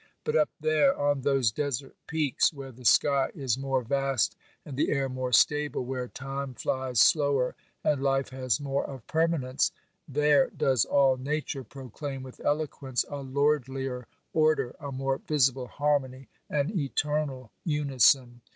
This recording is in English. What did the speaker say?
But up there, on those desert peaks, where the sky is more vast and the air more stable, where time flies slower and life has more of permanence : there does all Nature proclaim with eloquence a lordlier order, a more visible harmony, an eternal unison.